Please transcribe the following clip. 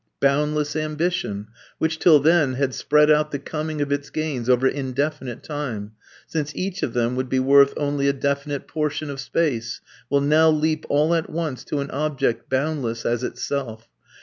Boundless ambition, which till then had spread out the coming of its gains over indefinite time, since each one of them would be worth only a definite portion of space, will now leap all at once to an object boundless as itself.